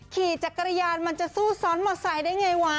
ขี่จักรยานมันจะสู้ซ้อนมอไซค์ได้ไงวะ